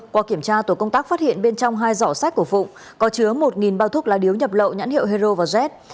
qua kiểm tra tổ công tác phát hiện bên trong hai giỏ sách của phụng có chứa một bao thuốc lá điếu nhập lậu nhãn hiệu hero và jet